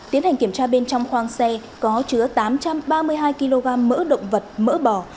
tiến hành kiểm tra bên trong khoang xe có chứa tám trăm ba mươi hai kg mỡ động vật mỡ bò